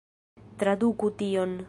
Traduku tion!